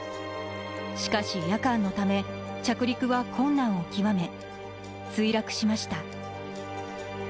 しかし夜間のため着陸は困難を極め墜落しました。